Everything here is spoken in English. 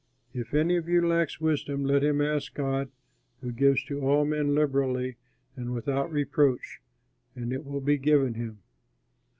If any of you lacks wisdom, let him ask God who gives to all men liberally and without reproach, and it will be given him.